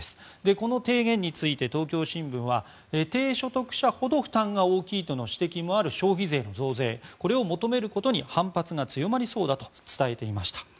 この提言について東京新聞は低所得者ほど負担が大きいとの指摘もある消費税の増税これを求めることに反発が強まりそうだと伝えていました。